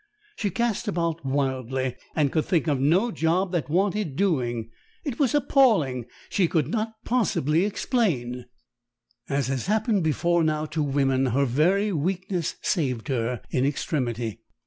She cast about wildly and could think of no job that wanted doing. It was appalling: she could not possibly explain As has happened before now to women, her very weakness saved her in extremity.